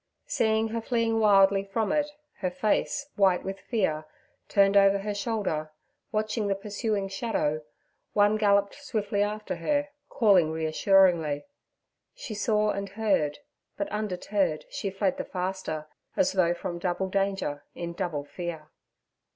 Seeing her fleeing wildly from it, her face, white with fear, turned over her shoulder, watching the pursuing shadow, One galloped swiftly after her, calling reassuringly. She saw and heard, but, undeterred, she fled the faster, as though from double danger in double fear.